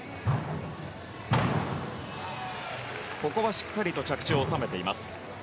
しっかりと着地を収めています。